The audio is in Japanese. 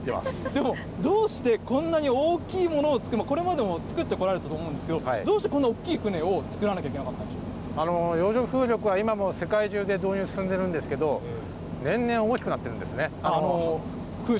でもどうして、こんなに大きいものを造る、これまでも造ってこられたと思うんですけど、どうしてこんな大きい船を造らなきゃ洋上風力は今も世界中で導入進んでいるんですけれども、年々大きくなってるんですね。